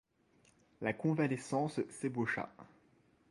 La convalescence s'ébaucha.